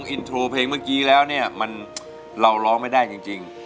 เราภึกเมื่อกี้แล้วเนี่ยเราร้องไปได้จริง